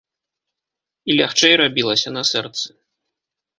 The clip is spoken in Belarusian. І лягчэй рабілася на сэрцы.